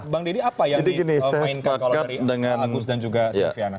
bang didi apa yang dimainkan kalau dari agus dan juga syafiana